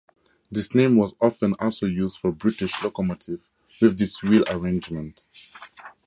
This name was often also used for British locomotives with this wheel arrangement.